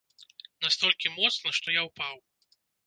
Настолькі моцна, што я ўпаў.